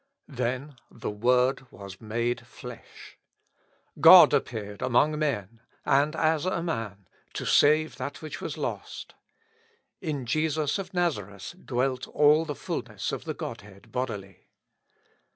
Then the Word was made flesh. God appeared among men, and as a man, "to save that which was lost." In Jesus of Nazareth "dwelt all the fulness of the Godhead bodily."